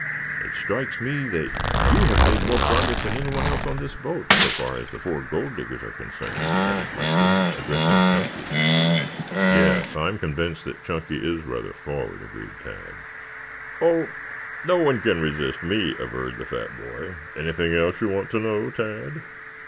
"It strikes me that you have made more progress that anyone else on this boat, so far as the four gold diggers are concerned," added Rector, addressing Chunky. "Yes, I am convinced that Chunky is rather forward," agreed Tad. "Oh, no one can resist me," averred the fat boy. "Anything else you want to know, Tad?"